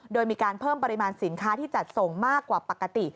โดยมีการเพิ่มปริมาณสินค้าที่จัดส่งมากกว่าปกติ